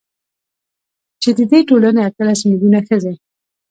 چـې د دې ټـولـنې اتـلس مـيلـيونـه ښـځـې .